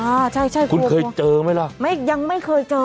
อ่าใช่ใช่คุณเคยเจอไหมล่ะไม่ยังไม่เคยเจอ